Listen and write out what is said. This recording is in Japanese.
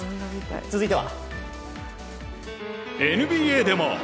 続いては。